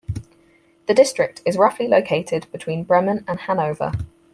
The district is roughly located between Bremen and Hanover.